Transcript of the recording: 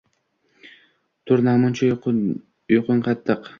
Tur namuncha uyqung qattiq